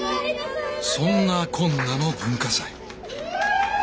そんなこんなの文化祭。